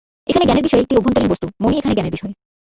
এখানে জ্ঞানের বিষয় একটি অভ্যন্তরীণ বস্তু, মনই এখানে জ্ঞানের বিষয়।